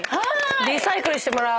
リサイクルしてもらう？